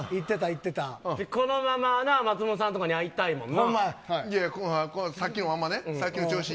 このまま松本さんとかに会いたいもんな。